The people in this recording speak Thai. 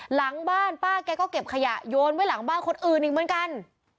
หลังบ้านป้าแกก็เก็บขยะโยนไว้หลังบ้านคนอื่นอีกเหมือนกัน